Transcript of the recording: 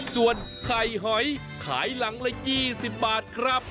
ส่วนไข่หอยขายหลังละ๒๐บาทครับ